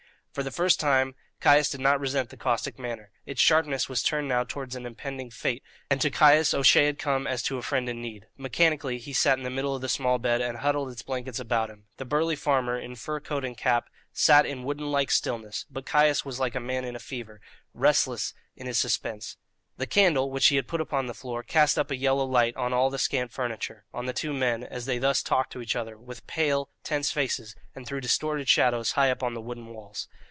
For the first time Caius did not resent the caustic manner. Its sharpness was turned now towards an impending fate, and to Caius O'Shea had come as to a friend in need. Mechanically he sat in the middle of the small bed, and huddled its blankets about him. The burly farmer, in fur coat and cap, sat in wooden like stillness; but Caius was like a man in a fever, restless in his suspense. The candle, which he had put upon the floor, cast up a yellow light on all the scant furniture, on the two men as they thus talked to each other, with pale, tense faces, and threw distorted shadows high up on the wooden walls.